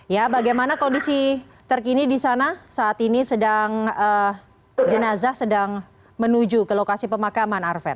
ya bagaimana kondisi terkini di sana saat ini jenazah sedang menuju ke lokasi pemakaman arven